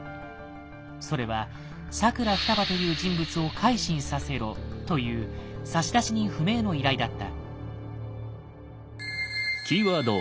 それは「佐倉双葉という人物を改心させろ」という差出人不明の依頼だった。